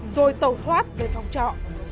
rồi tàu thoát về phòng trọ